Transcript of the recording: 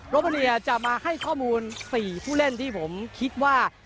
มาเนียจะมาให้ข้อมูล๔ผู้เล่นที่ผมคิดว่า